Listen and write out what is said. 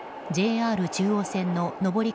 ＪＲ中央線の上り